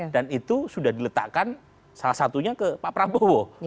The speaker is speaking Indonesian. dan itu sudah diletakkan salah satunya ke pak prabowo